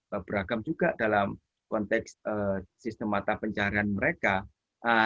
dan beragam juga dalam konteks sistem mata pencaharian mereka